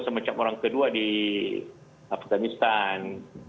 semacam orang kedua di afganistan